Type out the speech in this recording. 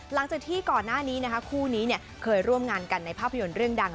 หลังจากที่ก่อนหน้านี้คู่นี้เคยร่วมงานกันในภาพยนตร์เรื่องดัง